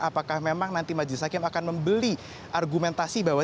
apakah memang nanti majelis hakim akan membeli argumentasi bahwa